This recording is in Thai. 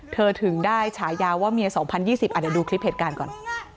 ถึงได้ฉายาว่าเมีย๒๐๒๐เดี๋ยวดูคลิปเหตุการณ์ก่อน